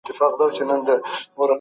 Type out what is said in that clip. څنګه د کتابونو لوستل ذهن ته وده ورکوي؟